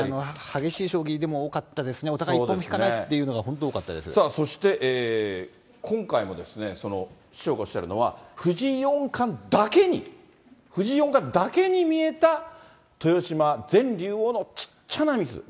激しい将棋、でも多かったですね、お互い一歩も引かないといそして、今回も師匠がおっしゃるのは、藤井四冠だけに、藤井四冠だけに見えた豊島前竜王の小っちゃなミス。